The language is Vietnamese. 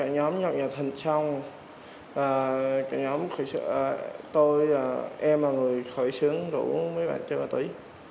nhóm nhật nhật thành trong em là người khởi xướng rủ mấy bạn chất ma túy